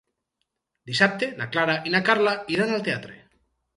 Dissabte na Clara i na Carla iran al teatre.